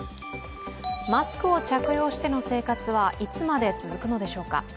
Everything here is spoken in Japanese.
マスクを着用しての生活はいつまで続くのでしょうか。